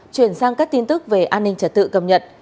chuyển sang các tin tức về an ninh trật tự cầm nhận